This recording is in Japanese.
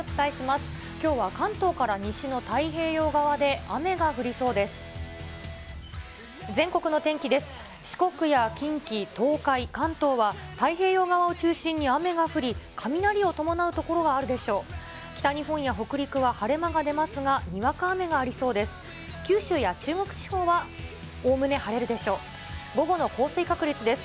北日本や北陸は晴れ間が出ますが、にわか雨がありそうです。